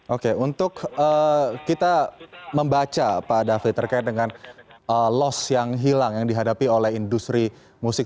oke untuk kita membaca pak david terkait dengan loss yang hilang yang dihadapi oleh industri musik